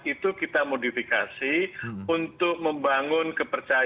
itu kita modifikasi untuk membangun kepercayaan